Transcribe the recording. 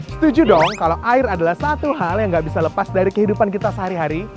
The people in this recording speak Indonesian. setuju dong kalau air adalah satu hal yang gak bisa lepas dari kehidupan kita sehari hari